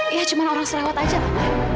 ya cuma orang sarawak aja ma